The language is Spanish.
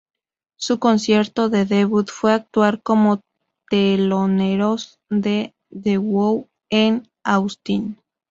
Su concierto de debut fue actuar como teloneros de The Who en Austin.